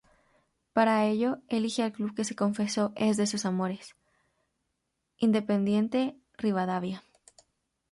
Para ello, elige al club que confesó es de sus amores, Independiente Rivadavia.